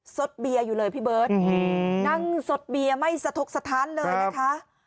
สดเบียร์อยู่เลยพี่เบิร์ตนั่งสดเบียร์ไม่สะทกสถานเลยนะคะ